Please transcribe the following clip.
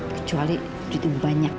kecuali duit ibu banyak